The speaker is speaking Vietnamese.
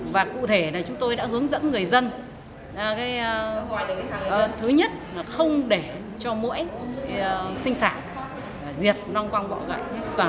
và cụ thể chúng tôi đã hướng dẫn người dân thứ nhất là không để cho mũi sinh sản diệt nong quang bọ gậy